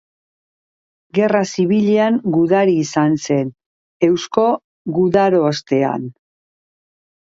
Gerra Zibilean gudari izan zen, Eusko Gudarostean.